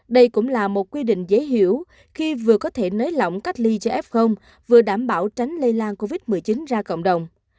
đây cũng là một quy định dễ hiểu khi vừa có thể nới lỏng cách ly cho f vừa đảm bảo tránh lây lan covid một mươi chín ra cộng đồng